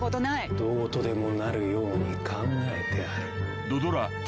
「どうとでもなるように考えてある」